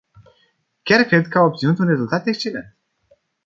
Chiar cred că au obținut un rezultat excelent.